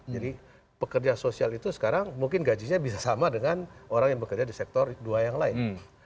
jadi pekerja sosial itu sekarang mungkin gajinya bisa sama dengan orang yang bekerja di sektor dua yang lain